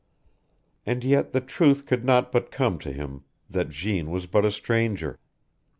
And yet the truth could not but come to him that Jeanne was but a stranger.